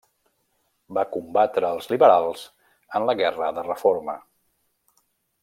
Va combatre als liberals en la Guerra de Reforma.